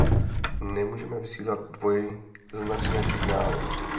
Nemůžeme vysílat dvojznačné signály.